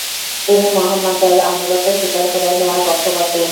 তিনি মুহাম্মাদের আনুগত্য স্বীকার করে নেয়ার পক্ষপাতী।